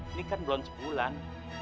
ini kan belum sepulan